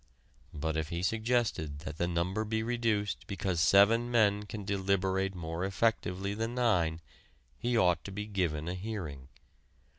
But if he suggested that the number be reduced because seven men can deliberate more effectively than nine he ought to be given a hearing.